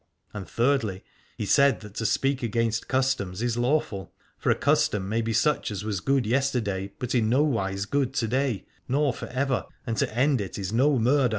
And thirdly, he said that to speak against customs is lawful : for a custom may be such as was good yesterday, but in nowise good to day, nor for ever, and to end it is no murder.